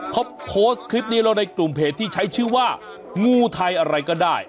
เขาโพสต์คลิปนี้ลงในกลุ่มเพจที่ใช้ชื่อว่างูไทยอะไรก็ได้